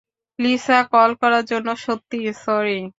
Lisa, call করার জন্য সত্যিই সরি।